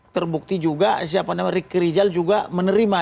terbukti juga siapa namanya rik rijal juga menerima